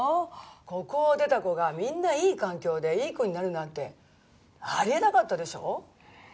ここを出た子がみんないい環境でいい子になるなんてありえなかったでしょ？